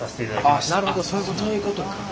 なるほどそういうことか。